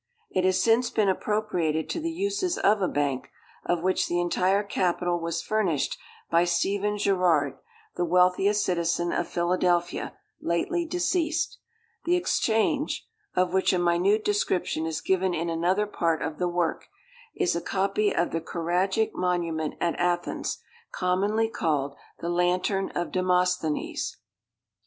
It has since been appropriated to the uses of a bank, of which the entire capital was furnished by Stephen Girard, the wealthiest citizen of Philadelphia, lately deceased. The Exchange (of which a minute description is given in another part of the work) is a copy of the choragic monument at Athens, commonly called the Lantern of Demosthenes.